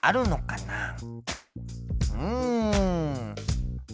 うん。